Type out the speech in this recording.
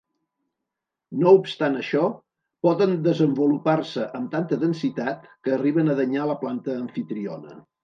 No obstant això poden desenvolupar-se amb tanta densitat que arriben a danyar la planta amfitriona.